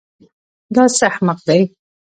دا څه احمق دی.